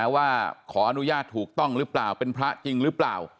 ว่าขออนุญาตถูกต้องหรือเปล่าเป็นพระจริงหรือเปล่า